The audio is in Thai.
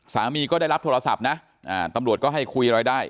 ก็ได้รับโทรศัพท์นะตำรวจก็ให้คุยอะไรได้